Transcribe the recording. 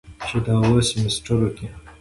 چې دا اووه سميسترو کې